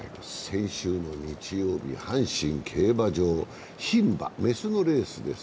先週の日曜日、阪神競馬場、ひん馬、雌のレースです。